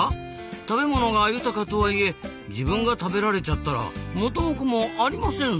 食べ物が豊かとはいえ自分が食べられちゃったら元も子もありませんぞ。